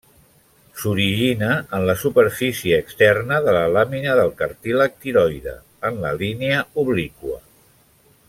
S'origina en la superfície externa de la làmina del cartílag tiroide, en la línia obliqua.